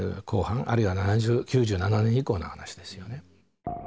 あるいは９７年以降の話ですよね。